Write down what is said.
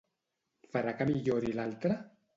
Farà que millori l'altre?